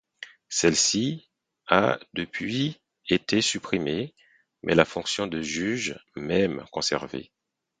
Celle-ci a depuis été supprimée, mais la fonction de juge même conservée.